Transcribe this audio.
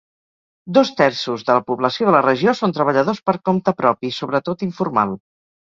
Dos terços de la població de la regió són treballadors per compte propi, sobretot informal.